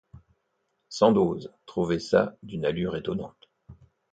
Sandoz trouvait ça d'une allure étonnante.